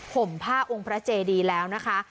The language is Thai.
ห่มผ้าองค์พระเจดีแล้วนะคะ